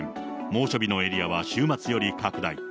猛暑日のエリアは週末より拡大。